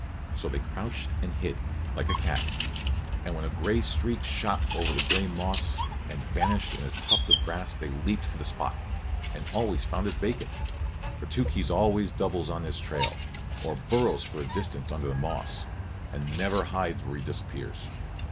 So they crouched and hid, like a cat, and when a gray streak shot over the gray moss and vanished in a tuft of grass they leaped for the spot and always found it vacant. For Tookhees always doubles on his trail, or burrows for a distance under the moss, and never hides where he disappears.